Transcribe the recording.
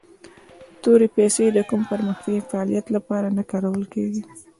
تورې پیسي د کوم پرمختیایي فعالیت لپاره نه کارول کیږي.